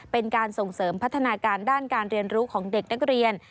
เป็นการส่งเสริมพัฒนาการด้านการเรียนรู้ของเด็กนักเรียน